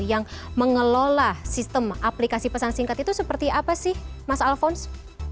yang mengelola sistem aplikasi pesan singkat itu seperti apa sih mas alphonse